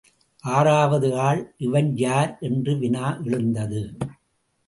ஆறாவது ஆள் இவன் யார் என்ற வினா எழுந்தது.